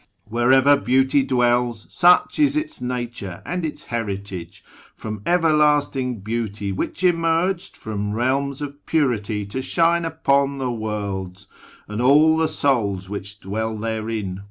Wherever Beauty dwells Such is its nature, and its heritage From Everlasting Beauty, which emerged From realms of purity to shine upon The worlds, and all the souls which dwell therein.